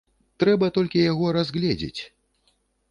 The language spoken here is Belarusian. Трэба толькі яго разгледзець.